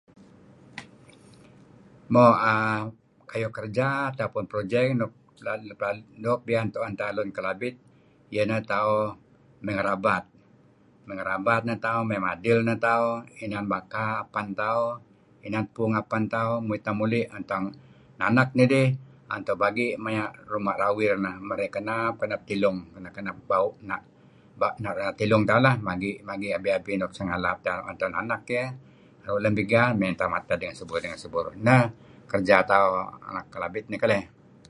Mo uhm kayu' kerja, kayu' projek uhm nuk doo' piyan tuen narih Lun Kelabit iyeh ineh tauh may ngerabat, may ngerabat neh tauh, may madil neh tauh. Inan Baka apen tauh, inan puung apen tauh muit tauh muli tuen tauh nanek nidih un tauh bagi' maya' ruma' rawir neh marey kenap-kenep tilung, kenep-kenep bau' tilung tauh lah. Bagi' bagi' abi-abi nuk singalap tuen tauh nanek iyeh naru' lem bigan may neh tauh mated ideh seburur ngen seburur. Neh kerja tauh Kelabit nih keleh.